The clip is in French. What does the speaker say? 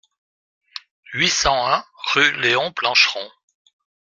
huit cent un rue Léon Plancheron